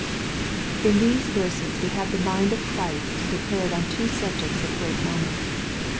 In these verses we have the mind of Christ declared on two subjects of great moment.